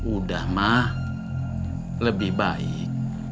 udah ma lebih baik